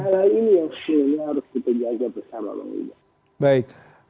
dan hal hal ini yang seharusnya harus kita jaga bersama